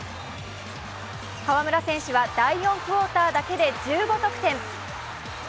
河村選手は第４クオーターだけで１５得点。